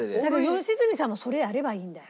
良純さんもそれやればいいんだよ。